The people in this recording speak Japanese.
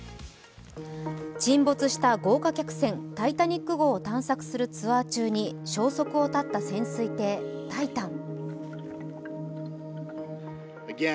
沈没した豪華客船「タイタニック」号を探索するツアー中に消息を絶った潜水艇「タイタン」。